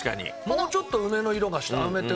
もうちょっと梅の色がした梅干しの色。